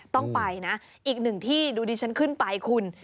ต้องไปนะอีกหนึ่งที่ดูดิฉันขึ้นไปคุณ